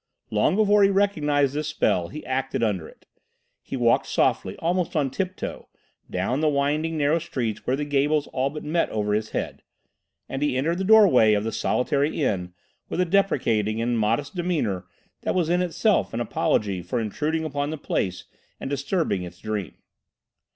Long before he recognised this spell he acted under it. He walked softly, almost on tiptoe, down the winding narrow streets where the gables all but met over his head, and he entered the doorway of the solitary inn with a deprecating and modest demeanour that was in itself an apology for intruding upon the place and disturbing its dream.